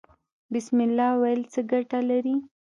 بسم الله ویل څه ګټه لري؟